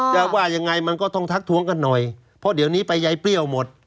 ว่ายังไงมันก็ต้องทักท้วงกันหน่อยเพราะเดี๋ยวนี้ไปยายเปรี้ยวหมด